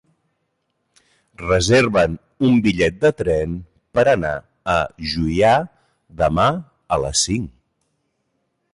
Reserva'm un bitllet de tren per anar a Juià demà a les cinc.